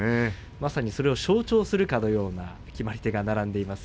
まさにそれを象徴するかのような決まり手が並んでいます。